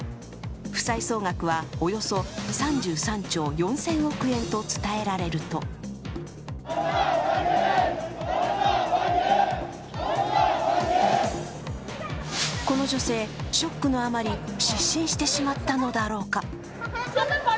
負債総額はおよそ３３兆４０００億円と伝えられるとこの女性、ショックのあまり失神してしまったのだろうか。